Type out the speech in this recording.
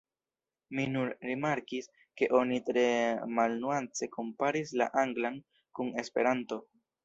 Mi nur rimarkis ke oni tre malnuance komparis la anglan kun esperanto.